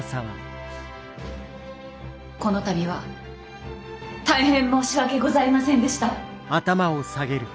この度は大変申し訳ございませんでした。